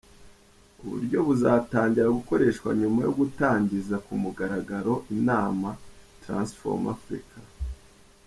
Ubu buryo buzatangira gukoreshwa nyuma yo gutangiza ku mugaragaro inama Transform Africa.